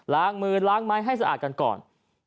ล้างมือล้างไม้ให้สะอาดกันก่อน